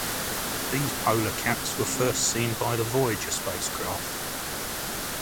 These polar caps were first seen by the "Voyager" spacecraft.